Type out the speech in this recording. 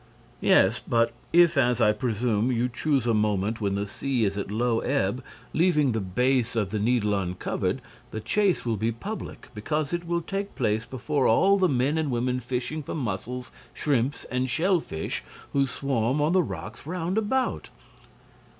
"Yes, but if, as I presume, you choose a moment when the sea is at low ebb, leaving the base of the Needle uncovered, the chase will be public, because it will take place before all the men and women fishing for mussels, shrimps and shell fish who swarm on the rocks round about."